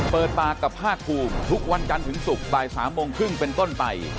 เปิดปากกับภาคภูมิทุกวันจันทร์ถึงศุกร์บ่าย๓โมงครึ่งเป็นต้นไป